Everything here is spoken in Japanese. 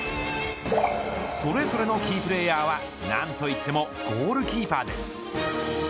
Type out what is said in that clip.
それぞれのキープレーヤーは何と言ってもゴールキーパーです。